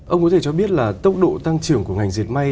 ông có thể cho biết là tốc độ tăng trưởng của ngành diệt may